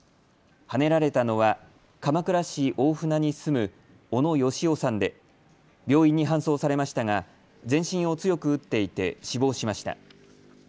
はねられたのは鎌倉市大船に住む小野佳朗さんで病院に搬送されましたが全身を強く打っていて死亡しました。